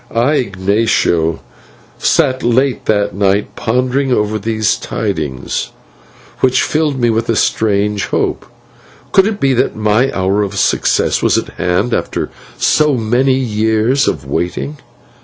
I, Ignatio, sat late that night pondering over these tidings, which filled me with a strange hope. Could it be that my hour of success was at hand after so many years of waiting?